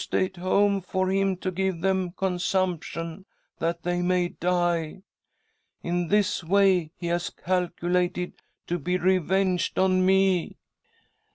stay at home for him to give them consumption, that they may die. In this way he has calculated to be revenged on me.'